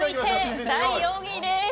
第４位です。